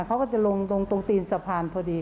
เขาก็จะลงตรงตีนสะพานพอดี